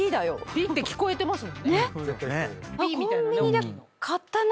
ピッて聞こえてますもんね。